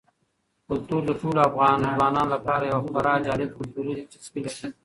کلتور د ټولو افغان ځوانانو لپاره یوه خورا جالب کلتوري دلچسپي لري.